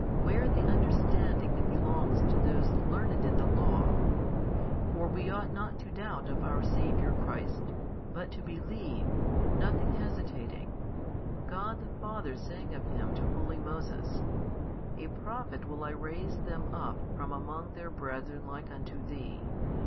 where the understanding that belongs to those learned in the Law? for we ought not to doubt of our Saviour Christ, but to believe, nothing hesitating, God the Father saying of Him to holy Moses, A Prophet will I raise them up from among their brethren like unto thee.